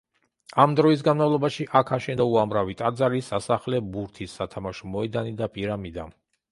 ამ დროის განმავლობაში აქ აშენდა უამრავი ტაძარი, სასახლე, ბურთის სათამაშო მოედანი და პირამიდა.